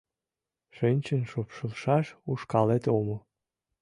Шинчын шупшылшаш ушкалет омыл.